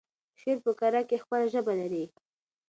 شعر په کره کېښکلې ژبه لري.